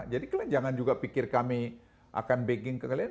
jadi kalian jangan juga pikir kami akan begging ke kalian